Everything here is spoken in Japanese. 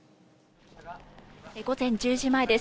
午前１０時前です。